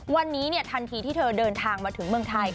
วันนี้ทันทีที่เธอเดินทางมาถึงเมืองไทย